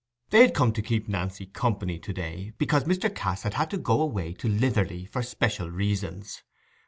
They had come to keep Nancy company to day, because Mr. Cass had had to go away to Lytherley, for special reasons.